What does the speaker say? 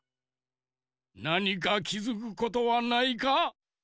なにかきづくことはないか？